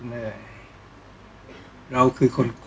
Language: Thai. ก็ต้องทำอย่างที่บอกว่าช่องคุณวิชากำลังทำอยู่นั่นนะครับ